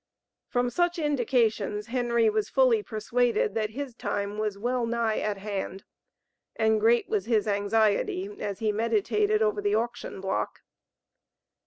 From such indications, Henry was fully persuaded that his time was well nigh at hand, and great was his anxiety as he meditated over the auction block.